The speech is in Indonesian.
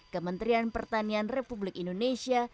kementerian pertanian republik indonesia